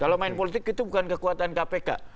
kalau main politik itu bukan kekuatan kpk